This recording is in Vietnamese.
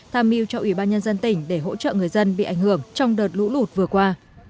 tham mưu cho ủy ban nhân dân tỉnh để hỗ trợ người dân bị ảnh hưởng trong đợt lũ lụt vừa qua